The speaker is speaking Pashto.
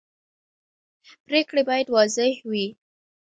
پرېکړې باید واضح وي